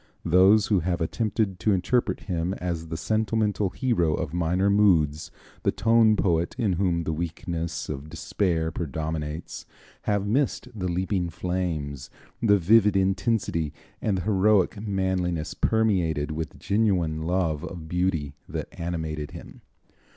Those who have attempted to interpret him as the sentimental hero of minor moods, the tone poet in whom the weakness of despair predominates, have missed the leaping flames, the vivid intensity and the heroic manliness permeated with genuine love of beauty that animated him.